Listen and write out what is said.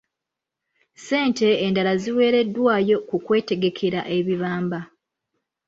Ssente endala ziweereddwayo ku kwetegekera ebibamba.